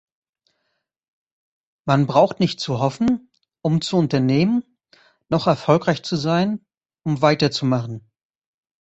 Man braucht nicht zu hoffen, um zu unternehmen, noch erfolgreich zu sein, um weiterzumachen.